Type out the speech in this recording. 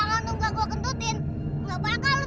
kasihan kau jadi bangkrut